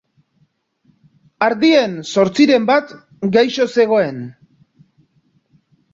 Ardien zortziren bat gaixo zegoen